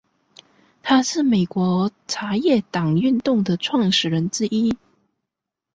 他是美国茶叶党运动的创始人之一。